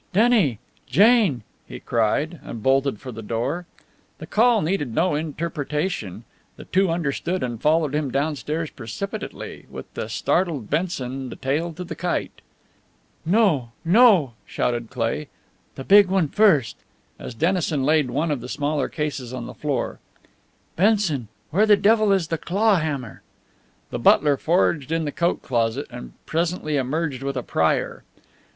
"Denny! Jane!" he cried, and bolted for the door. The call needed no interpretation. The two understood, and followed him downstairs precipitately, with the startled Benson the tail to the kite. "No, no!" shouted Cleigh. "The big one first!" as Dennison laid one of the smaller cases on the floor. "Benson, where the devil is the claw hammer?" The butler foraged in the coat closet and presently emerged with a prier.